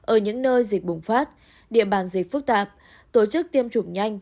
ở những nơi dịch bùng phát địa bàn gì phức tạp tổ chức tiêm chủng nhanh